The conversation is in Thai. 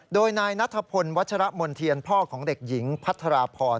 โดยนายนัทพลวัชรมนเทียนพ่อของเด็กหญิงพัทรพร